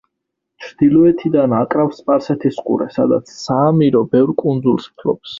ჩრდილოეთიდან აკრავს სპარსეთის ყურე, სადაც საამირო ბევრ კუნძულს ფლობს.